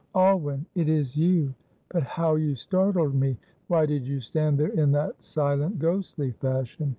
"Alwyn, it is you; but how you startled me! Why did you stand there in that silent, ghostly fashion?"